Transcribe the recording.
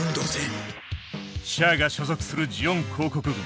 シャアが所属するジオン公国軍。